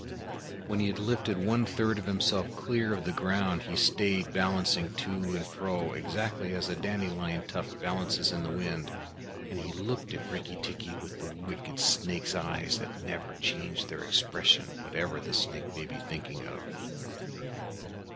When he had lifted one third of himself clear of the ground, he stayed balancing to and fro exactly as a dandelion tuft balances in the wind, and he looked at Rikki tikki with the wicked snake's eyes that never change their expression, whatever the snake may be thinking of.